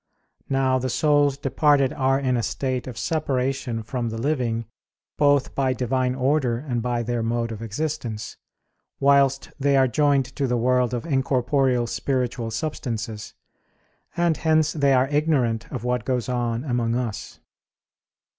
Now the souls departed are in a state of separation from the living, both by Divine order and by their mode of existence, whilst they are joined to the world of incorporeal spiritual substances; and hence they are ignorant of what goes on among us.